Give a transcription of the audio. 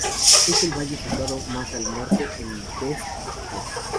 Es el valle situado más al norte en Vest-Agder.